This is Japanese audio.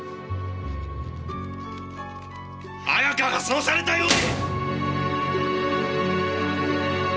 綾香がそうされたように！！